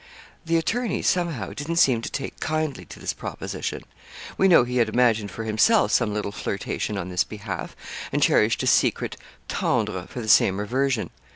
The attorney, somehow, didn't seem to take kindly to this proposition. We know he had imagined for himself some little flirtation on this behalf, and cherished a secret tendre for the same reversion.